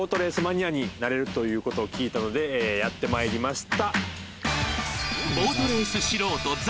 今回、素人の僕でもボートレースマニアになれるということを聞いたのでやってまいりました。